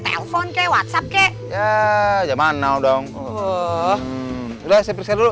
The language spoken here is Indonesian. telepon kek whatsapp kek ya aja manau dong udah saya periksa dulu